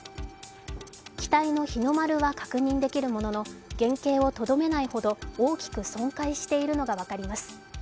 機体の日の丸は確認できるものの、原形をとどめないほど大きく損壊しているのが分かります。